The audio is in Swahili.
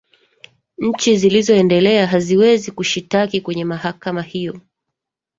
nchi zilizoendelea haziwezi kushitaki kwenye mahakama hiyo